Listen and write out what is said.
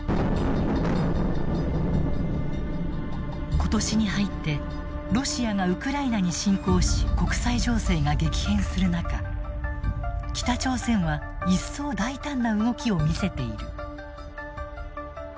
今年に入ってロシアがウクライナに侵攻し国際情勢が激変する中北朝鮮は一層大胆な動きを見せている。